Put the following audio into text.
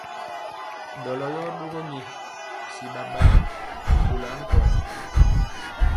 Ɗɔlɔ yɔ ɗogɔ nyɛ si ɓaɓayɛ nɛ kolɔ ankɔra.